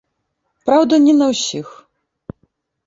Праўда, не на ўсіх.